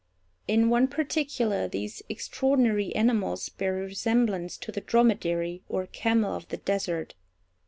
In one particular these extraordinary animals bear a resemblance to the dromedary, or camel of the desert.